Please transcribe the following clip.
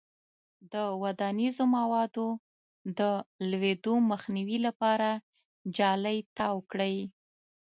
د ودانیزو موادو د لویدو مخنیوي لپاره جالۍ تاو کړئ.